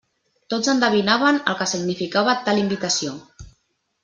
Tots endevinaven el que significava tal invitació.